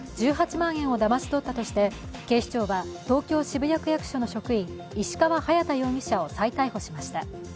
１８万円をだまし取ったとして警視庁は、東京・渋谷区役所の職員、石川隼大容疑者を再逮捕しました。